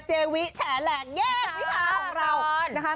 เจวิแฉแหลกเยกวิทยาของเราก่อน